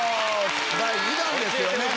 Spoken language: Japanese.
第２弾ですよね。